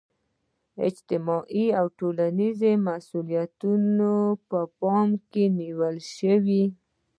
اجتماعي او ټولنیز مسولیتونه په پام کې نیول شي.